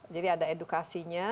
jadi ada edukasinya